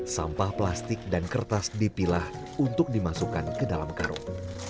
sampah plastik dan kertas dipilah untuk dimasukkan ke dalam karung